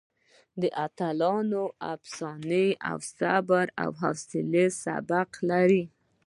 د اتلانو افسانه د صبر او حوصلې سبق لري.